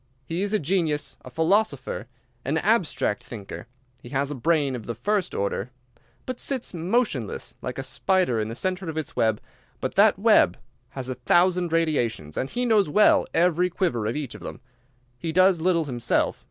He is a genius, a philosopher, an abstract thinker. He has a brain of the first order. He sits motionless, like a spider in the centre of its web, but that web has a thousand radiations, and he knows well every quiver of each of them. He does little himself.